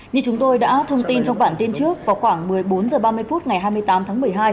như chúng tôi đã thông tin trong bản tin trước vào khoảng một mươi bốn h ba mươi phút ngày hai mươi tám tháng một mươi hai